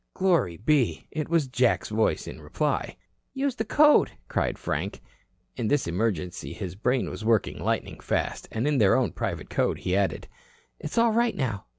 Glory be! It was Jack's voice in reply. "Use the code," cried Frank. In this emergency his brain was working lightning fast. And in their own private code he added: "It's all right now.